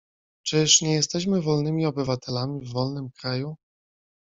"Czyż nie jesteśmy wolnymi obywatelami w wolnym kraju?"